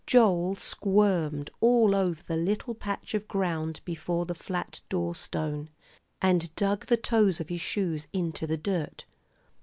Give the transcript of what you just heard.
Joel squirmed all over the little patch of ground before the flat doorstone, and dug the toes of his shoes into the dirt.